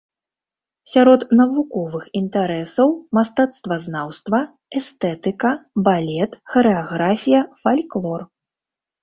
Сярод навуковых інтарэсаў мастацтвазнаўства, эстэтыка, балет, харэаграфія, фальклор.